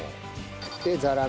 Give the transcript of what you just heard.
でザラメ。